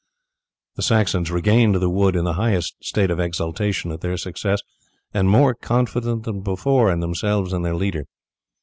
The Saxons regained the wood in the highest state of exultation at their success, and more confident than before in themselves and their leader.